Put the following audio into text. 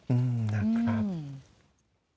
อืมนะครับ